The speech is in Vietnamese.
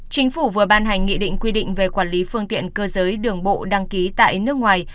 chính phủ vừa ban hành nghị định quy định về quản lý phương tiện cơ giới đường bộ đăng ký tại nước ngoài